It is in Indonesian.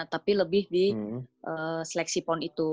tapi lebih di seleksi pon itu